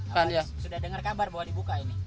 sudah dengar kabar bahwa dibuka ini